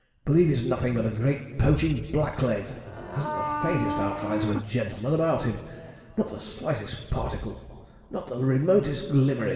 Believe he's nothing but a great poaching blackleg. Hasn't the faintest outlines of a gentleman about him not the slightest particle not the remotest glimmerin'.'